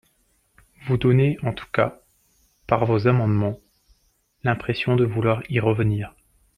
Vous donnez en tout cas, par vos amendements, l’impression de vouloir y revenir.